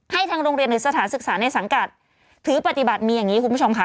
ทางโรงเรียนหรือสถานศึกษาในสังกัดถือปฏิบัติมีอย่างนี้คุณผู้ชมค่ะ